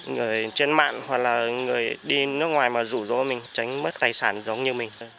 người trên mạng hoặc là người đi nước ngoài mà rủ rỗ mình tránh mất tài sản giống như mình thôi